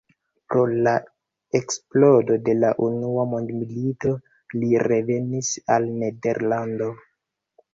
Pro la eksplodo de la Unua Mondmilito li revenis al Nederlando.